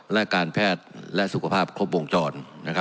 และการแพทย์และสุขภาพครบวงจร